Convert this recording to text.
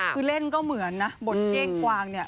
คือเล่นก็เหมือนนะบทเก้งกวางเนี่ย